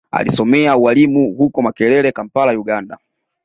Alisomea ualimu huko Makerere Kampala Uganda